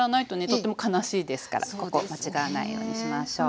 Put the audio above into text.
とっても悲しいですからここ間違わないようにしましょう。